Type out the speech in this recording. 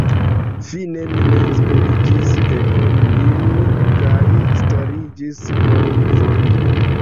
Fine mi senesperiĝis ekkoni lin, kaj stariĝis por foriri.